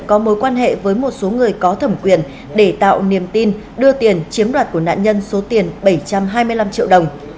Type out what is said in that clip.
có mối quan hệ với một số người có thẩm quyền để tạo niềm tin đưa tiền chiếm đoạt của nạn nhân số tiền bảy trăm hai mươi năm triệu đồng